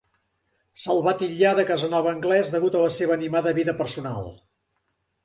Se'l va titllar de Casanova anglès degut a la seva animada vida personal.